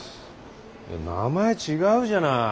名前違うじゃない。